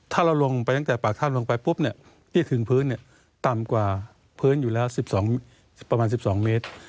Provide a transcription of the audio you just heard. ถ้าเราลงไปตั้งแต่ปากถ้ำลงไปปุ๊บที่จะคืนพื้นต่ำกว่าพื้นอยู่แล้วประมาณ๑๒เมตร